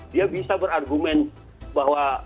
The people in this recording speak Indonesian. dia bisa berargumen bahwa